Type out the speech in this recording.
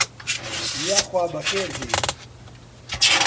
یاخوا بەخێر بێی.